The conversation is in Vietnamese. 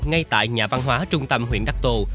ngay tại nhà văn hóa trung tâm huyện đắc tô